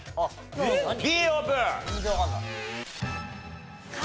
Ｂオープン！